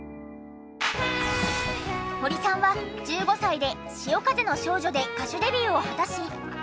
堀さんは１５歳で『潮風の少女』で歌手デビューを果たし。